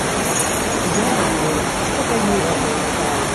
Я думаю, што паедзем.